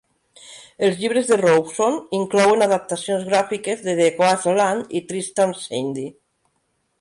Els llibres de Rowson inclouen adaptacions gràfiques de "The Waste Land" i "Tristram Shandy".